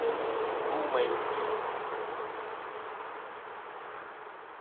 Wù ndu meyn tì.